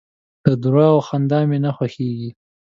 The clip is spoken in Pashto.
د درواغو خندا مي نه خوښېږي .